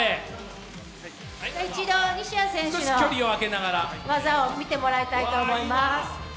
一度西矢選手の技を見てもらいたいと思います。